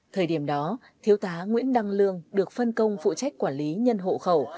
thời điểm đó thiếu tá nguyễn đăng lương được phân công phụ trách quản lý nhân hộ khẩu